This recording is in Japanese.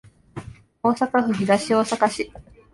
大阪府東大阪市